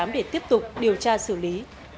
để tiếp tục điều tra xử lý